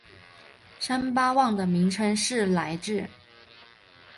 三巴旺的名称是来至。